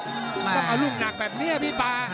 ต้องเอาลูกหนักแบบนี้อ่ะพี่ป๊า